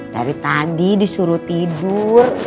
dari tadi disuruh tidur